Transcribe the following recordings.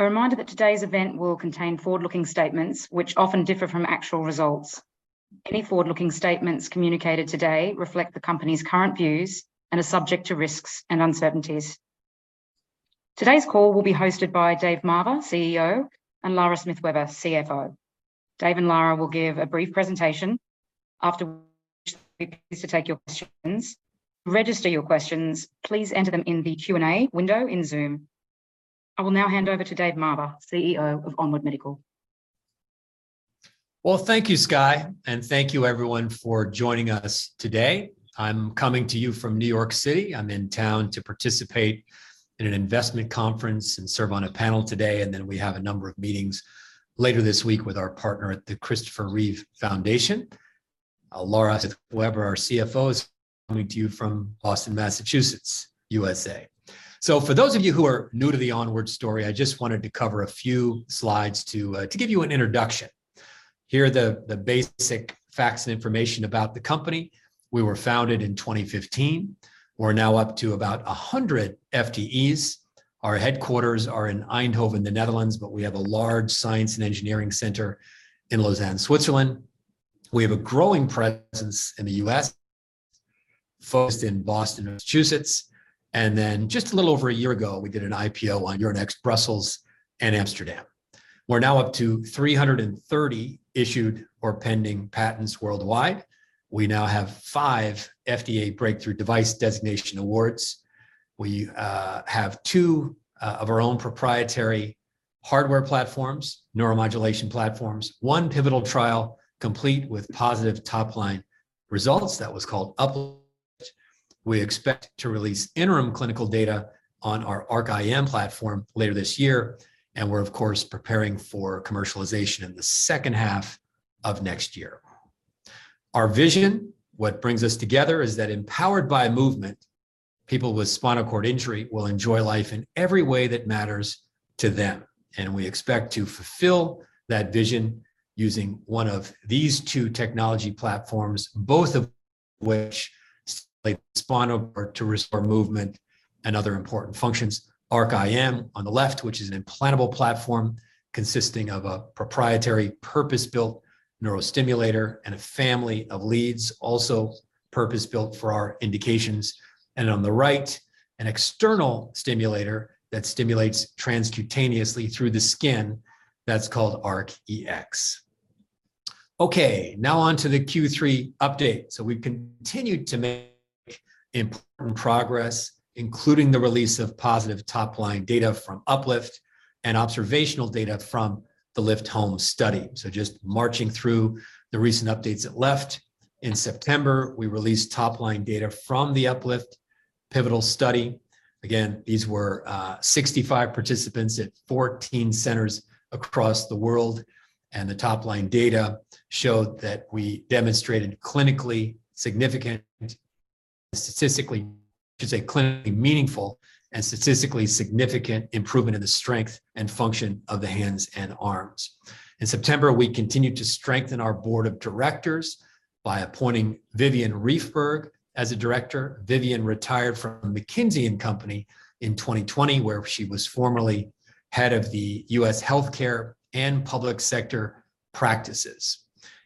A reminder that today's event will contain forward-looking statements which often differ from actual results. Any forward-looking statements communicated today reflect the company's current views and are subject to risks and uncertainties. Today's call will be hosted by Dave Marver, CEO, and Lara Smith Weber, CFO. Dave and Lara will give a brief presentation, after which they'll be pleased to take your questions. To register your questions, please enter them in the Q&A window in Zoom. I will now hand over to Dave Marver, CEO of ONWARD Medical. Well, thank you, Skye, thank you everyone for joining us today. I'm coming to you from New York City. I'm in town to participate in an investment conference and serve on a panel today, then we have a number of meetings later this week with our partner at the Christopher Reeve Foundation. Lara Smith Weber, our CFO, is coming to you from Boston, Massachusetts, U.S.A. For those of you who are new to the ONWARD story, I just wanted to cover a few slides to give you an introduction. Here are the basic facts and information about the company. We were founded in 2015. We're now up to about 100 FTEs. Our headquarters are in Eindhoven, the Netherlands, but we have a large science and engineering center in Lausanne, Switzerland. We have a growing presence in the U.S., focused in Boston, Massachusetts. Then just a little over a year ago, we did an IPO on Euronext Brussels and Amsterdam. We're now up to 330 issued or pending patents worldwide. We now have five FDA Breakthrough Device Designation awards. We have two of our own proprietary hardware platforms, neuromodulation platforms, one pivotal trial complete with positive top-line results. That was called Up-LIFT. We expect to release interim clinical data on our ARC-IM platform later this year, we're of course preparing for commercialization in the second half of next year. Our vision, what brings us together, is that empowered by movement, people with spinal cord injury will enjoy life in every way that matters to them. We expect to fulfill that vision using one of these two technology platforms, both of which stimulate spinal cord to restore movement and other important functions. ARC-IM on the left, which is an implantable platform consisting of a proprietary purpose-built neurostimulator and a family of leads also purpose-built for our indications. On the right, an external stimulator that stimulates transcutaneously through the skin. That's called ARC-EX. Okay, now on to the Q3 update. We've continued to make important progress, including the release of positive top-line data from Up-LIFT and observational data from the LIFT Home study. Just marching through the recent updates at left. In September, we released top-line data from the Up-LIFT pivotal study. Again, these were 65 participants at 14 centers across the world, the top-line data showed that we demonstrated clinically significant, clinically meaningful and statistically significant improvement in the strength and function of the hands and arms. In September, we continued to strengthen our board of directors by appointing Vivian Riefberg as a director. Vivian retired from McKinsey & Company in 2020, where she was formerly head of the U.S. healthcare and public sector practices.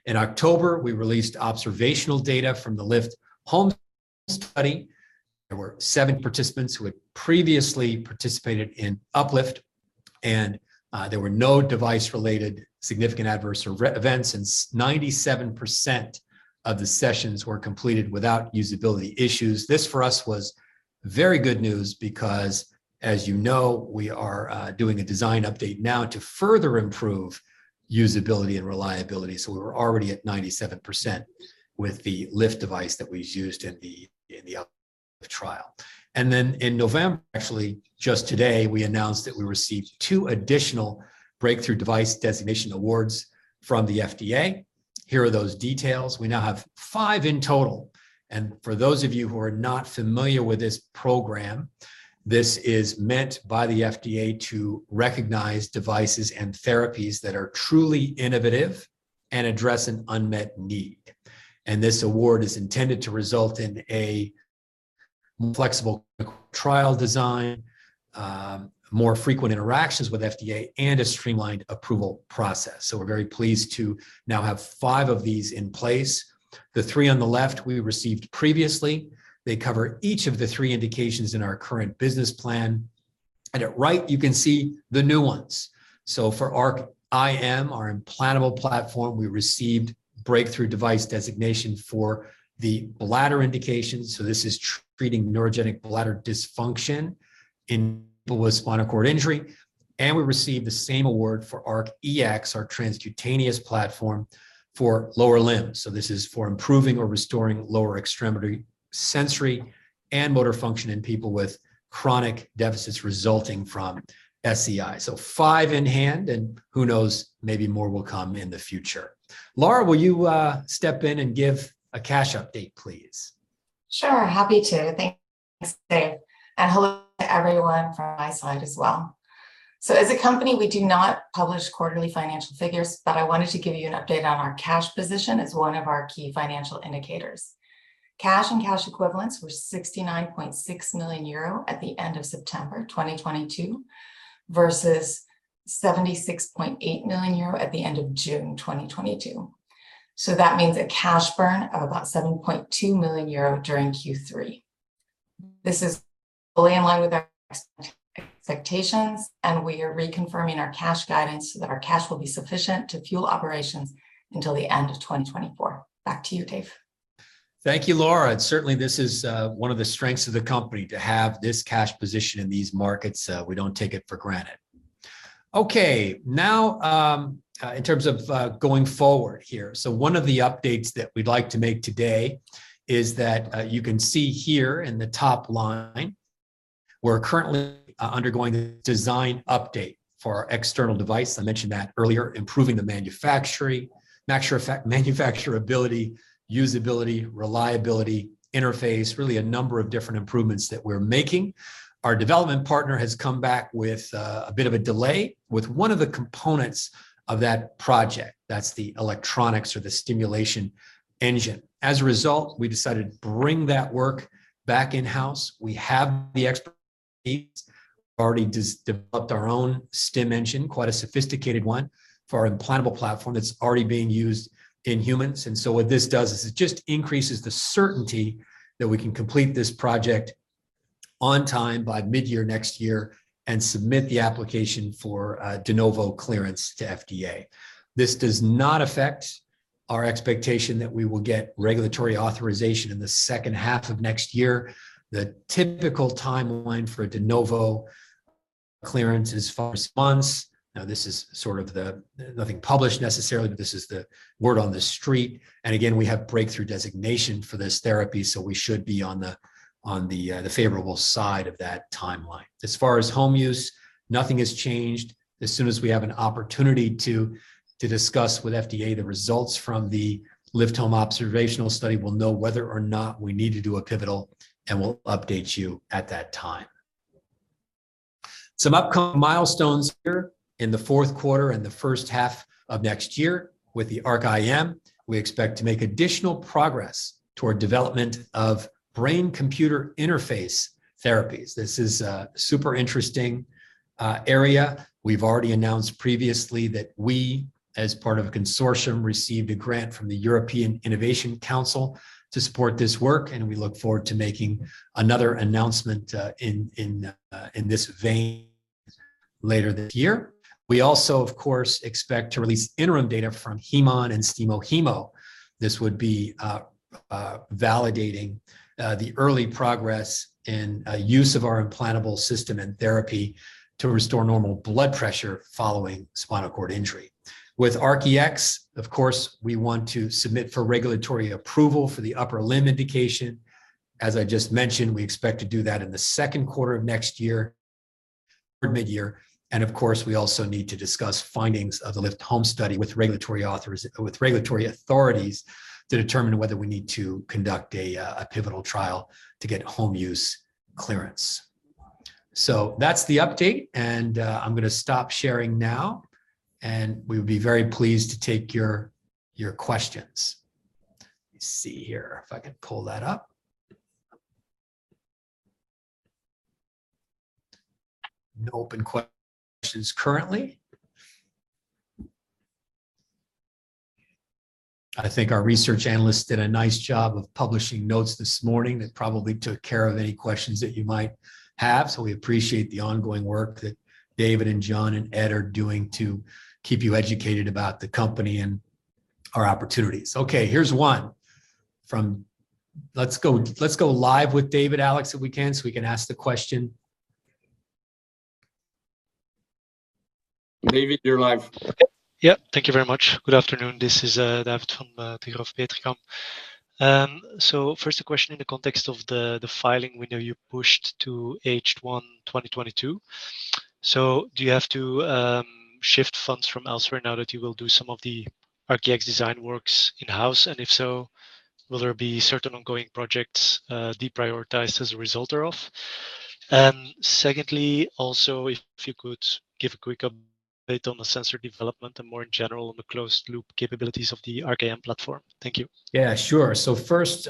In October, we released observational data from the LIFT Home study. There were seven participants who had previously participated in Up-LIFT, and there were no device-related significant adverse events, and 97% of the sessions were completed without usability issues. This, for us, was very good news because, as you know, we are doing a design update now to further improve usability and reliability. We were already at 97% with the Lift device that we used in the Up-LIFT trial. In November, actually just today, we announced that we received two additional Breakthrough Device Designation awards from the FDA. Here are those details. We now have five in total. For those of you who are not familiar with this program, this is meant by the FDA to recognize devices and therapies that are truly innovative and address an unmet need. This award is intended to result in a more flexible clinical trial design, more frequent interactions with FDA, and a streamlined approval process. We're very pleased to now have five of these in place. The three on the left we received previously. They cover each of the three indications in our current business plan. At right, you can see the new ones. For ARC-IM, our implantable platform, we received Breakthrough Device Designation for the bladder indications, this is treating neurogenic bladder dysfunction in people with spinal cord injury. We received the same award for ARC-EX, our transcutaneous platform, for lower limbs. This is for improving or restoring lower extremity sensory and motor function in people with chronic deficits resulting from SCI. Five in hand, and who knows, maybe more will come in the future. Lara, will you step in and give a cash update, please? Sure, happy to. Thanks, Dave, and hello to everyone from my side as well. As a company, we do not publish quarterly financial figures, but I wanted to give you an update on our cash position as one of our key financial indicators. Cash and cash equivalents were 69.6 million euro at the end of September 2022 versus 76.8 million euro at the end of June 2022. That means a cash burn of about 7.2 million euro during Q3. This is fully in line with our expectations, and we are reconfirming our cash guidance so that our cash will be sufficient to fuel operations until the end of 2024. Back to you, Dave. Thank you, Lara, and certainly, this is one of the strengths of the company to have this cash position in these markets. We don't take it for granted. Okay. Now, in terms of going forward here, so one of the updates that we'd like to make today is that you can see here in the top line, we're currently undergoing a design update for our external device. I mentioned that earlier, improving the manufacturability, usability, reliability, interface, really a number of different improvements that we're making. Our development partner has come back with a bit of a delay with one of the components of that project. That's the electronics or the stimulation engine. As a result, we decided to bring that work back in-house. We have the expertise. We've already developed our own stim engine, quite a sophisticated one, for our implantable platform that's already being used in humans. What this does is it just increases the certainty that we can complete this project on time by mid-year next year and submit the application for De Novo clearance to FDA. This does not affect our expectation that we will get regulatory authorization in the second half of next year. The typical timeline for a De Novo clearance is fast response. Now, this is nothing published necessarily, but this is the word on the street, and again, we have breakthrough designation for this therapy, so we should be on the favorable side of that timeline. As far as home use, nothing has changed. As soon as we have an opportunity to discuss with FDA the results from the LIFT Home observational study, we'll know whether or not we need to do a pivotal, and we'll update you at that time. Some upcoming milestones here in the fourth quarter and the first half of next year with the ARC-IM, we expect to make additional progress toward development of brain computer interface therapies. This is a super interesting area. We've already announced previously that we, as part of a consortium, received a grant from the European Innovation Council to support this work, and we look forward to making another announcement in this vein later this year. We also, of course, expect to release interim data from HemON and STIMO-HEMO. This would be validating the early progress in use of our implantable system and therapy to restore normal blood pressure following spinal cord injury. With ARC-EX, of course, we want to submit for regulatory approval for the upper limb indication. As I just mentioned, we expect to do that in the second quarter of next year, mid-year, and of course, we also need to discuss findings of the LIFT Home study with regulatory authorities to determine whether we need to conduct a pivotal trial to get home use clearance. So that's the update, and I'm going to stop sharing now, and we would be very pleased to take your questions. Let me see here if I can pull that up. No open questions currently. I think our research analysts did a nice job of publishing notes this morning that probably took care of any questions that you might have. So we appreciate the ongoing work that David and John and Ed are doing to keep you educated about the company and our opportunities. Okay. Let's go live with David Alex if we can, so we can ask the question. David, you're live. Okay. Yeah, thank you very much. Good afternoon. This is David from. First, a question in the context of the filing. We know you pushed to H1 2022. Do you have to shift funds from elsewhere now that you will do some of the ARC-EX design works in-house? If so, will there be certain ongoing projects deprioritized as a result thereof? Secondly, if you could give a quick update on the sensor development and more in general on the closed loop capabilities of the ARC-IM platform. Thank you. Yeah, sure. First,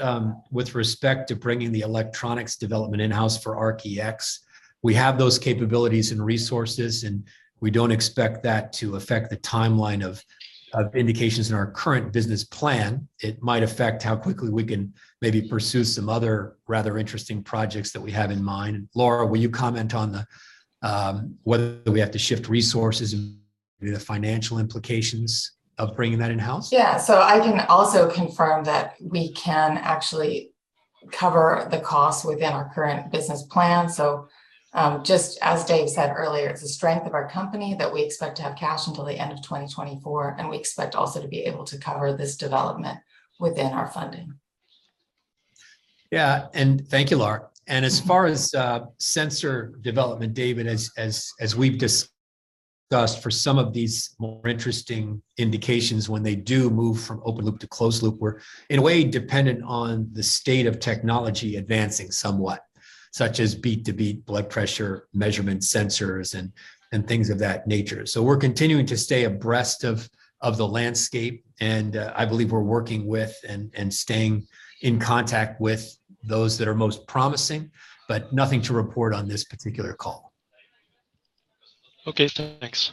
with respect to bringing the electronics development in-house for ARC-EX, we have those capabilities and resources, and we don't expect that to affect the timeline of indications in our current business plan. It might affect how quickly we can maybe pursue some other rather interesting projects that we have in mind. Lara, will you comment on whether we have to shift resources and maybe the financial implications of bringing that in-house? I can also confirm that we can actually cover the cost within our current business plan. Just as Dave said earlier, it's a strength of our company that we expect to have cash until the end of 2024, and we expect also to be able to cover this development within our funding. Thank you, Lara. As far as sensor development, David, as we've discussed for some of these more interesting indications, when they do move from open loop to closed loop, we're in a way dependent on the state of technology advancing somewhat, such as beat-to-beat blood pressure measurement sensors and things of that nature. We're continuing to stay abreast of the landscape, and I believe we're working with and staying in contact with those that are most promising, but nothing to report on this particular call. Thanks.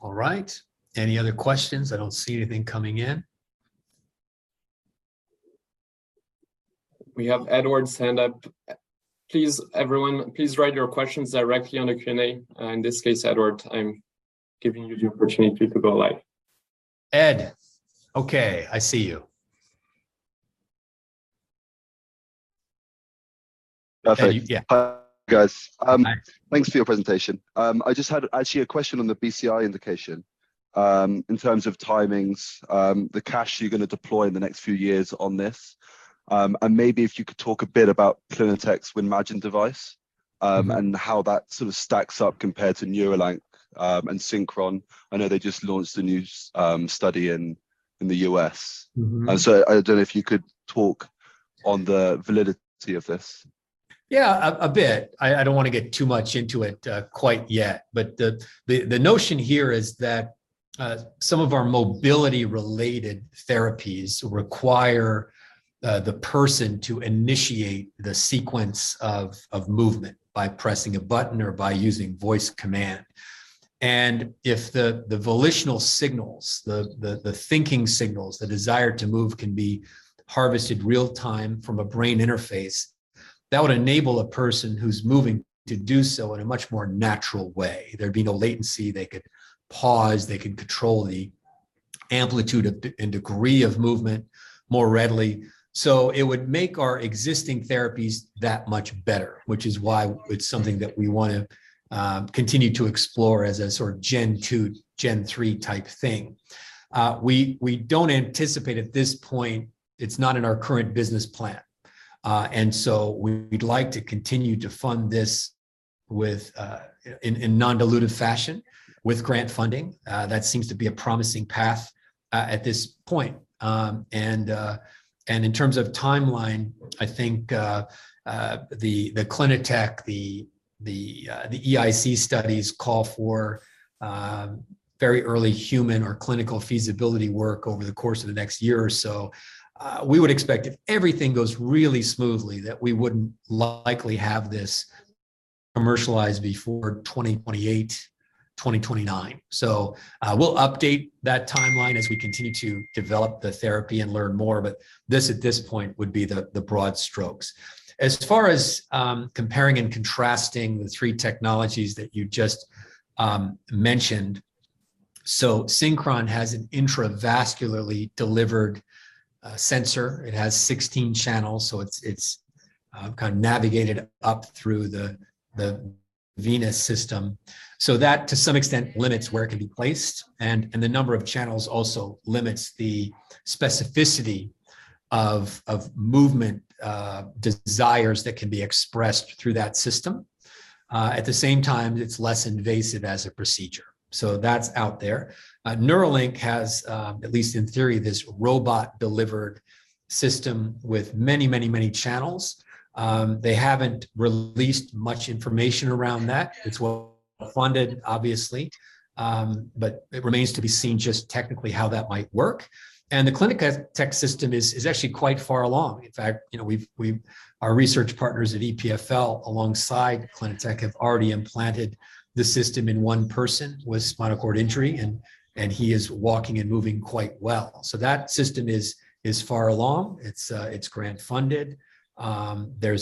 All right. Any other questions? I don't see anything coming in. We have Edward's hand up. Please, everyone, please write your questions directly on the Q&A. In this case, Edward, I'm giving you the opportunity to go live. Ed. Okay, I see you. Perfect. Yeah. Hi, guys. Hi. Thanks for your presentation. I just had actually a question on the BCI indication, in terms of timings, the cash you're going to deploy in the next few years on this. Maybe if you could talk a bit about Clinatec's WIMAGINE device, and how that sort of stacks up compared to Neuralink and Synchron. I know they just launched a new study in the U.S. I don't know if you could talk on the validity of this. Yeah, a bit. I don't want to get too much into it quite yet. The notion here is that some of our mobility-related therapies require the person to initiate the sequence of movement by pressing a button or by using voice command. If the volitional signals, the thinking signals, the desire to move can be harvested real time from a brain interface, that would enable a person who's moving to do so in a much more natural way. There'd be no latency. They could pause, they could control the amplitude and degree of movement more readily. It would make our existing therapies that much better, which is why it's something that we want to continue to explore as a sort of gen 2, gen 3 type thing. We don't anticipate at this point, it's not in our current business plan. We'd like to continue to fund this in non-dilutive fashion with grant funding. That seems to be a promising path at this point. In terms of timeline, I think the Clinatec, the EIC studies call for very early human or clinical feasibility work over the course of the next year or so. We would expect if everything goes really smoothly that we wouldn't likely have this commercialized before 2028, 2029. We'll update that timeline as we continue to develop the therapy and learn more, but this, at this point, would be the broad strokes. As far as comparing and contrasting the three technologies that you just mentioned. Synchron has an intravascularly delivered sensor. It has 16 channels, it's kind of navigated up through the venous system. That to some extent limits where it can be placed and the number of channels also limits the specificity of movement desires that can be expressed through that system. At the same time, it's less invasive as a procedure. That's out there. Neuralink has, at least in theory, this robot-delivered system with many channels. They haven't released much information around that. It's well-funded obviously, but it remains to be seen just technically how that might work. The Clinatec system is actually quite far along. In fact, our research partners at EPFL alongside Clinatec have already implanted the system in one person with spinal cord injury and he is walking and moving quite well. That system is far along. It's grant funded. The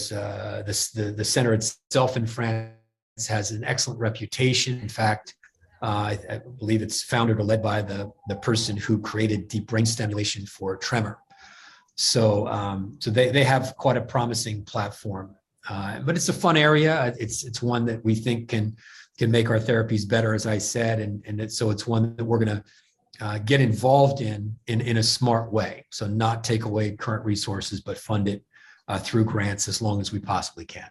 center itself in France has an excellent reputation. In fact, I believe it's founded or led by the person who created deep brain stimulation for tremor. They have quite a promising platform. It's a fun area. It's one that we think can make our therapies better, as I said, it's one that we're going to get involved in a smart way. Not take away current resources, but fund it through grants as long as we possibly can.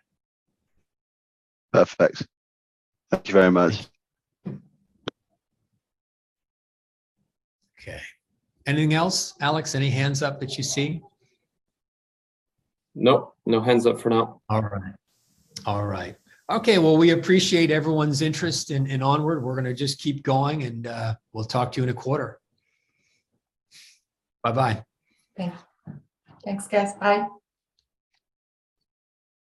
Perfect. Thank you very much. Okay. Anything else? Alex, any hands up that you see? No. No hands up for now. All right. Okay, well, we appreciate everyone's interest, and Onward. We're going to just keep going and we'll talk to you in a quarter. Bye-bye. Thanks. Thanks, guys. Bye.